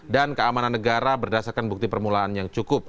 dan keamanan negara berdasarkan bukti permulaan yang cukup